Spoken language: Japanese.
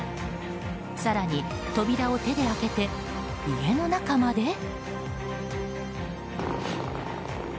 更に扉を手で開けて家の中まで？